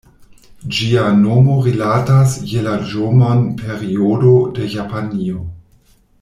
Ĝia nomo rilatas je la ĵomon-periodo de Japanio.